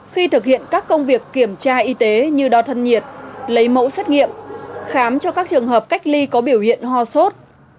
khi thực hiện các công việc kiểm tra y tế như đo thân nhiệt lấy mẫu xét nghiệm khám cho các trường hợp cách ly có biểu hiện ho sốt